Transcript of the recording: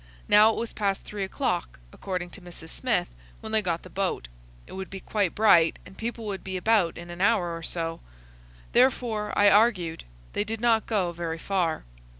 Now, it was past three o'clock, according to Mrs. Smith, when they got the boat. It would be quite bright, and people would be about in an hour or so. Therefore, I argued, they did not go very far.